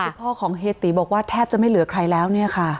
คือพ่อของเฮียตีบอกว่าแทบจะไม่เหลือใครแล้วเนี่ยค่ะ